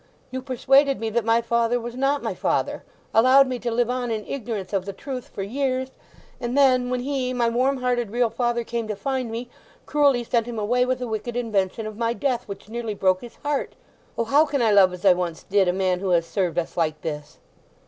You persuaded me that my father was not my father—allowed me to live on in ignorance of the truth for years; and then when he, my warm hearted real father, came to find me, cruelly sent him away with a wicked invention of my death, which nearly broke his heart. O how can I love as I once did a man who has served us like this!"